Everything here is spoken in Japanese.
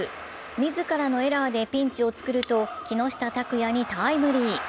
自らのエラーでピンチを作ると木下拓哉にタイムリー。